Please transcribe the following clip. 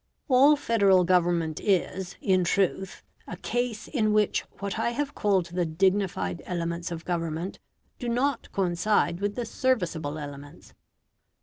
All Federal Government is, in truth, a case in which what I have called the dignified elements of government do not coincide with the serviceable elements.